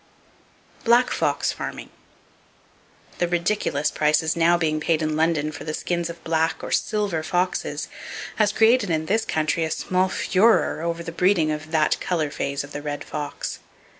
Black Fox Farming. —The ridiculous prices now being paid in London for the skins of black or "silver" foxes has created in this country a small furore over the breeding of that color phase of the red fox.